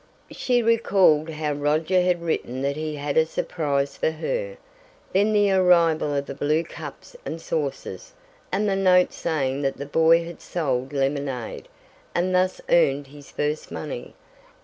She recalled how Roger had written that he had a surprise for her; then the arrival of the blue cups and saucers, and the note saying that the boy had sold lemonade, and thus earned his first money.